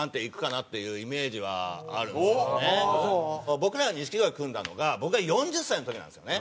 僕らが錦鯉組んだのが僕が４０歳の時なんですよね。